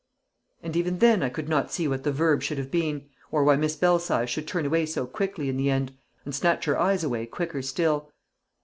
And even then I could not see what the verb should have been, or why Miss Belsize should turn away so quickly in the end, and snatch her eyes away quicker still.